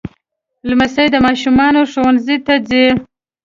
لمسی د ماشومانو ښوونځي ته ځي.